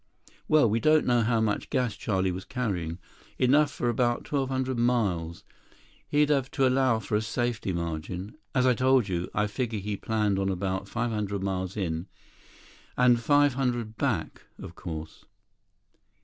"Well, we do know how much gas Charlie was carrying. Enough for about 1,200 miles. He'd have to allow for a safety margin. As I told you, I figure he planned on about 500 miles in, and 500 back, of course.